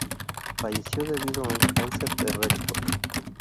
Falleció debido a un cáncer de recto.